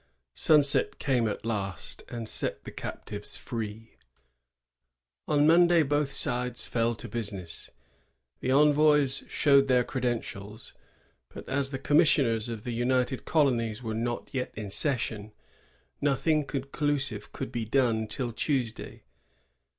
Sunset came at last, and set the captives free. On Monday both sides fell to business. ' The envoys showed their credentials; but, as the commis sioners of the United Colonies were not yet in I Winthrop, ii. 278, 276. 1(WW.] THE ENVOYS. 48 session, nothing conclusive could be done till Tues day.